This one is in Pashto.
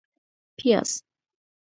🧅 پیاز